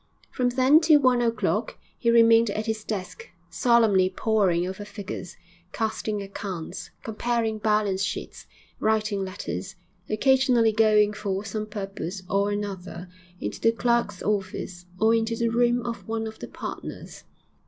From then till one o'clock he remained at his desk, solemnly poring over figures, casting accounts, comparing balance sheets, writing letters, occasionally going for some purpose or another into the clerks' office or into the room of one of the partners.